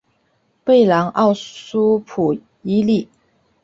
贝朗奥苏普伊利。